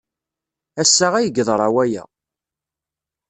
Ass-a ay yeḍra waya.